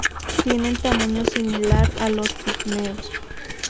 Tienen tamaño similar a los pigmeos.